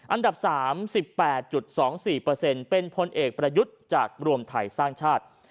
อันดับ๓๘๒๔เป็นพลเอกประยุทธ์จากรวมไทยสร้างชาติ